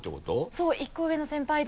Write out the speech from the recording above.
そう１個上の先輩で。